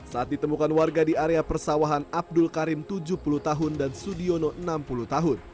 saat ditemukan warga di area persawahan abdul karim tujuh puluh tahun dan sudiono enam puluh tahun